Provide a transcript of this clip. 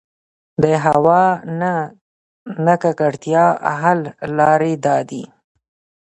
د هـوا د نـه ککـړتيا حـل لـارې دا دي: